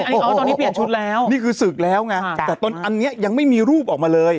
อันนี้อ๋อตอนนี้เปลี่ยนชุดแล้วนี่คือศึกแล้วไงแต่ตอนอันนี้ยังไม่มีรูปออกมาเลย